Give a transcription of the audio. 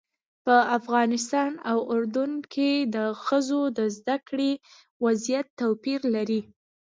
په افغانستان او اردن کې د ښځو د زده کړې وضعیت توپیر لري.